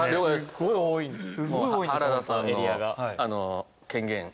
すごい多いんです。